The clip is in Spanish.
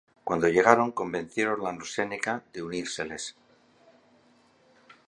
Cuando llegaron convencieron a los seneca de unírseles.